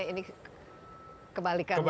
ini kebalikannya ya